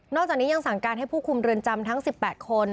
จากนี้ยังสั่งการให้ผู้คุมเรือนจำทั้ง๑๘คน